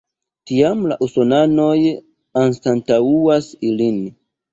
Tiam la usonanoj anstataŭas ilin.